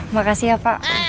makasih ya pak